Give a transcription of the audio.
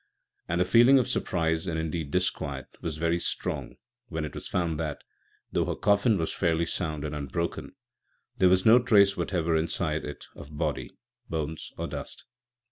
And the feeling of surprise, and indeed disquiet, was very strong when it was found that, though her coffin was fairly sound and unbroken, there was no trace whatever inside it of body, bones, or dust.